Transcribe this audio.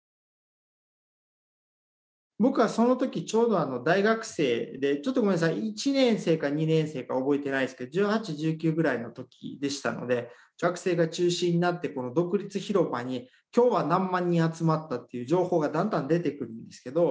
僕はその時ちょうど大学生でちょっとごめんなさい１年生か２年生か覚えてないですけど１８１９ぐらいの時でしたので学生が中心になって独立広場に今日は何万人集まったっていう情報がだんだん出てくるんですけど